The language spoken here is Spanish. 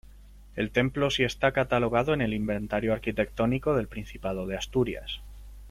El templo si está catalogado en el inventario arquitectónico del Principado de Asturias.